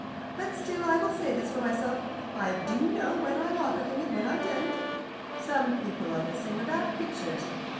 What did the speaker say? But still I will say this for myself I do know when I like a thing and when I don't. Some people are the same about pictures.